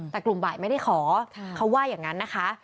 แต่กลุ่มบ่ายไม่ได้ขอเขาว่าอย่างนั้นนะคะ